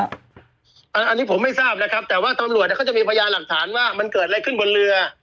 อันนี้ผมไม่ทราบนะครับแต่ว่าตำรวจเขาจะมีพยานหลักฐานว่ามันเกิดอะไรขึ้นบนเรือ